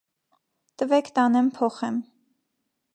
Տվեք տանեմ փոխեմ: